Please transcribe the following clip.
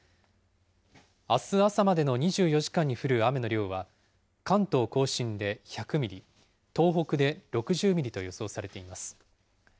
あす朝までの２４時間に降る雨の量は、関東甲信で１００ミリ、東北で６０ミリと予想されています。